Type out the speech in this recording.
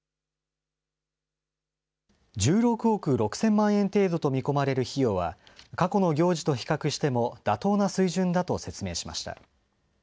１６億６０００万円程度と見込まれる費用は、過去の行事と比較しても、妥当な水準だと説明しました。